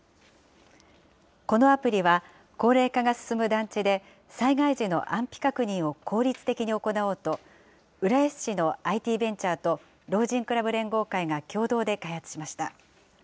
このアプリは、高齢化が進む団地で、災害時の安否確認を効率的に行おうと、浦安市のＩＴベンチャーと老人クラブ連合会が共同で開発しました。